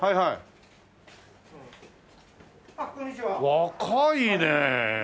若いねえ！